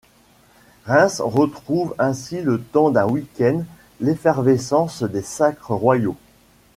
Reims retrouve ainsi le temps d'un week-end l’effervescence des sacres royaux.